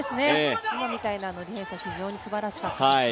今みたいなディフェンスは非常にすばらしかったですね。